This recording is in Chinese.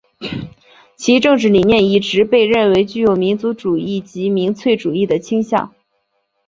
其政治理念一直被认为具有民族主义及民粹主义的倾向。